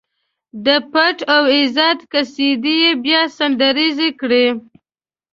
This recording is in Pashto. د پت او عزت قصيدې يې بيا سندريزې کړې.